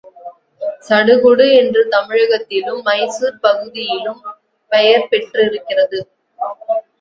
சடுகுடு என்று தமிழகத்திலும், மைசூர் பகுதியிலும் பெயர் பெற்றிருக்கிறது.